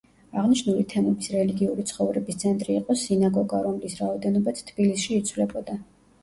აღნიშნული თემების რელიგიური ცხოვრების ცენტრი იყო სინაგოგა, რომლის რაოდენობაც თბილისში იცვლებოდა.